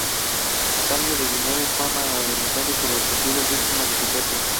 A cambio de dinero informa a los delincuentes sobre posibles víctimas de secuestro.